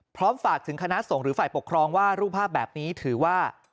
พร้อมฝากถึงคณะสงฆ์หรือฝ่ายปกครองว่ารูปภาพแบบนี้ถือว่า